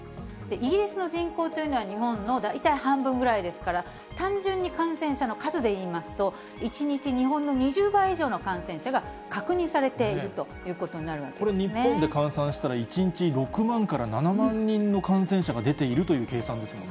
イギリスの人口というのは、日本の大体半分ぐらいですから、単純に感染者の数でいいますと、１日、日本の２０倍以上の感染者が確認されているということになこれ、日本で換算したら、１日６万から７万人の感染者が出ているという計算ですもんね。